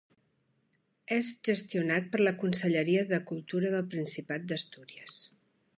És gestionat per la conselleria de cultura del Principat d'Astúries.